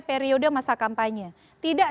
periode masa kampanye tidak